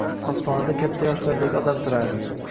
Ostonada katta yoshlardagi odam turardi